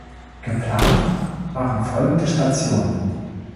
Geplant waren folgende Stationen.